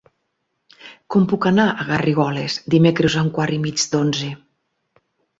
Com puc anar a Garrigoles dimecres a un quart i mig d'onze?